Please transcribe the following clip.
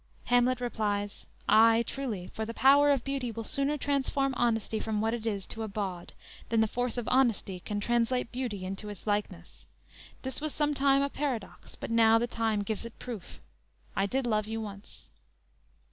Hamlet replies: "Ay, truly, for the power of beauty will sooner transform honesty from what it is to a bawd, than the force of honesty can translate beauty into his likeness; this was sometime a paradox, but now the time gives it proof. I did love you once."